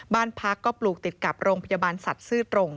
บ้านพักก็ปลูกติดกับโรงพยาบาลสัตว์ซื่อตรง